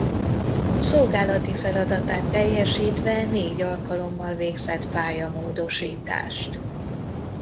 Szolgálati feladatát teljesítve négy alkalommal végzett pályamódosítást.